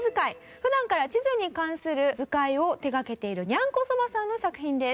普段から地図に関する図解を手掛けているにゃんこそばさんの作品です。